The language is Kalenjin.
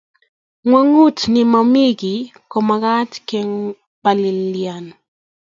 gwenyut nemomee ki komakat kepalilian.